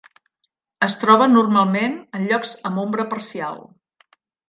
Es troba normalment en llocs amb ombra parcial.